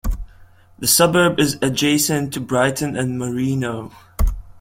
The suburb is adjacent to Brighton and Marino.